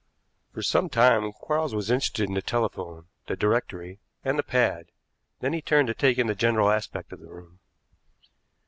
For some time Quarles was interested in the telephone, the directory, and the pad, then he turned to take in the general aspect of the room.